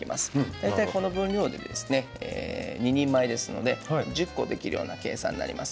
大体この分量で２人前ですので１０個できるような計算です。